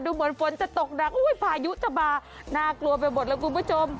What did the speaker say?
เหมือนฝนจะตกหนักพายุจะบาน่ากลัวไปหมดแล้วคุณผู้ชม